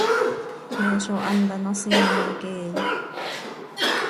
¿Me zó hant ano siima queeya?